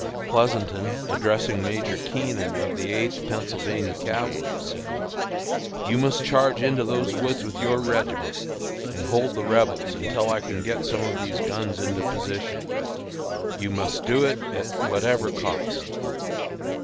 Pleasonton, addressing Major Keenan of the Eighth Pennsylvania Cavalry, said, "You must charge into those woods with your regiment, and hold the Rebels until I can get some of these guns into position. You must do it at whatever cost."